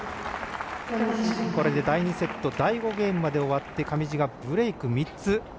これで第２セット第５ゲームまで終わって上地がブレーク４つ。